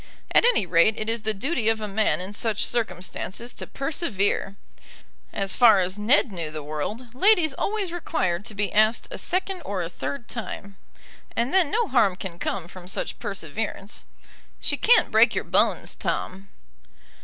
At any rate it is the duty of a man in such circumstances to persevere. As far as Ned knew the world, ladies always required to be asked a second or a third time. And then no harm can come from such perseverance. "She can't break your bones, Tom."